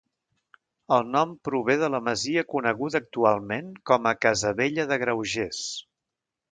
El nom prové de la masia coneguda actualment com a Casavella de Graugés.